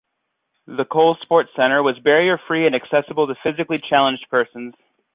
The Coles Sports Center was barrier-free and accessible to physically challenged persons.